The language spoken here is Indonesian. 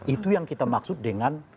itu yang kita maksud dengan